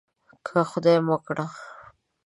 که خدای مه کړه.